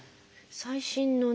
最新のね